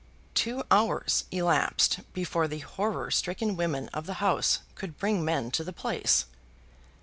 Two hours elapsed before the horror stricken women of the house could bring men to the place.